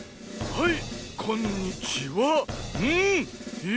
はい！